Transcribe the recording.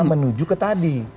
menuju ke tadi